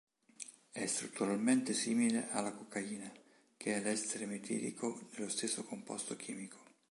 È strutturalmente simile alla cocaina, che è l'estere metilico dello stesso composto chimico.